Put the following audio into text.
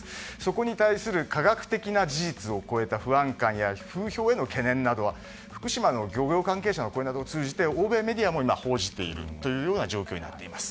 ここに対する科学的な事実を超えた不安感や風評への懸念などは福島の漁業関係者を通じて欧米メディアも今、報じている状況になっています。